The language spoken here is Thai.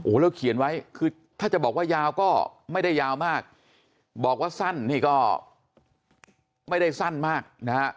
แล้วเขียนไว้คือถ้าจะบอกว่ายาวก็ไม่ได้ยาวมากบอกว่าสั้นนี่ก็ไม่ได้สั้นมากนะฮะ